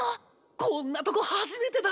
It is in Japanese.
こんなとこ初めてだ。